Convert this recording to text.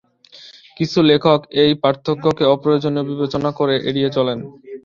কিছু লেখক এই পার্থক্যকে অপ্রয়োজনীয় বিবেচনা করে এড়িয়ে চলেন।